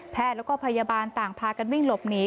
แล้วก็พยาบาลต่างพากันวิ่งหลบหนี